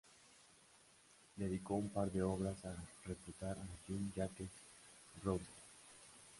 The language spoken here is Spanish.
Dedicó un par de obras a refutar a Jean-Jacques Rousseau.